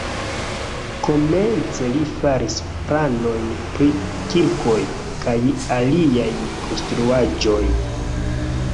Komence li faris planojn pri kirkoj kaj aliaj konstruaĵoj.